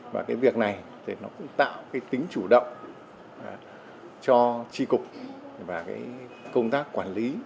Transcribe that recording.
và việc này cũng tạo tính chủ động cho tri cục và công tác quản lý